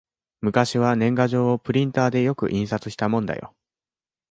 昔は年賀状をプリンターでよく印刷したもんだよ